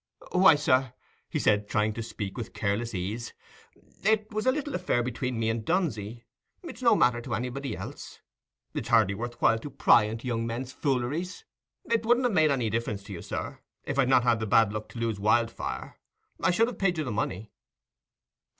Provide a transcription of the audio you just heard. "Why, sir," he said, trying to speak with careless ease, "it was a little affair between me and Dunsey; it's no matter to anybody else. It's hardly worth while to pry into young men's fooleries: it wouldn't have made any difference to you, sir, if I'd not had the bad luck to lose Wildfire. I should have paid you the money."